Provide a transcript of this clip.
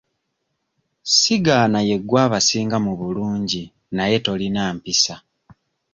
Sigaana ye gwe abasinga mu bulungi naye tolina mpisa.